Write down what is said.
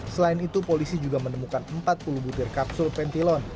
selain itu polisi juga menemukan empat puluh butir kapsul pentilon